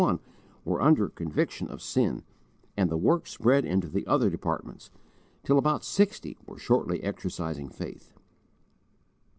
1 were under conviction of sin, and the work spread into the other departments, till about sixty were shortly exercising faith.